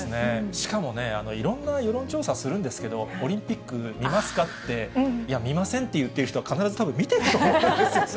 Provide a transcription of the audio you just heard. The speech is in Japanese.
しかも、いろんな世論調査するんですけど、オリンピック見ますかって見ませんって言ってる人、必ずたぶん見てると思うんですよね。